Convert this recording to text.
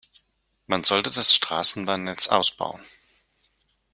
Man sollte das Straßenbahnnetz ausbauen.